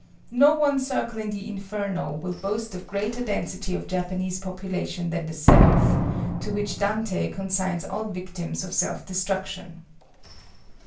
No one circle in the Inferno will boast of greater density of Japanese population than the seventh, to which Dante consigns all victims of self destruction!